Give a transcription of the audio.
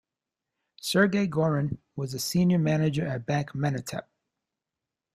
Sergei Gorin was a senior manager at Bank Menatep.